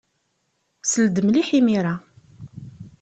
Sel-d mliḥ imir-a.